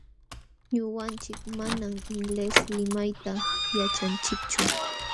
Ñuqanchik manam inglés limayta yaćhanchikchu.